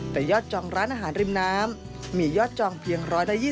แต่ยอดจองร้านอาหารริมน้ำมียอดจองเพียง๑๒๐